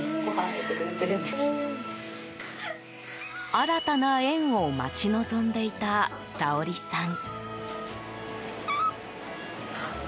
新たな縁を待ち望んでいたサオリさん。